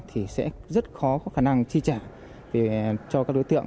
thì sẽ rất khó có khả năng chi trả cho các đối tượng